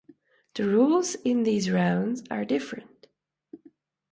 The rules in these rounds are different.